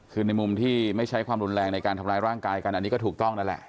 คือในมุมที่ไม่ใช้ความรุนแรงในการทำร้ายร่างกายกันอันนี้ก็ถูกต้องนั่นแหละ